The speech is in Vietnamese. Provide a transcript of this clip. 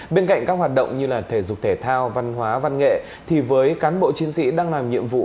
bên cạnh các hoạt động như là thể dục thể thao văn hóa văn nghệ thì với cán bộ chiến sĩ đang làm nhiệm vụ